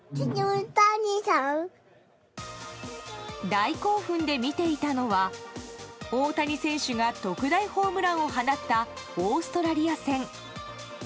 大興奮で見ていたのは大谷選手が特大ホームランを放ったオーストラリア戦。